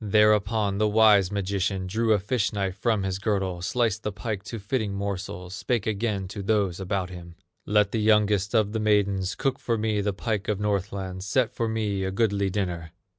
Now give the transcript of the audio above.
Thereupon the wise magician Drew a fish knife from his girdle, Sliced the pike to fitting morsels, Spake again to those about him: "Let the youngest of the maidens Cook for me the pike of Northland, Set for me a goodly dinner!"